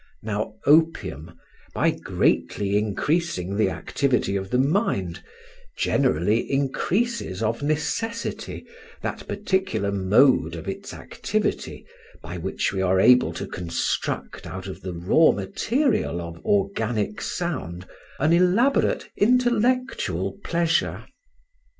Now, opium, by greatly increasing the activity of the mind, generally increases, of necessity, that particular mode of its activity by which we are able to construct out of the raw material of organic sound an elaborate intellectual pleasure.